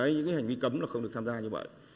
những hành vi cấm không được tham gia như vậy